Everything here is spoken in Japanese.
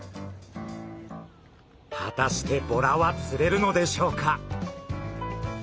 果たしてボラは釣れるのでしょうか？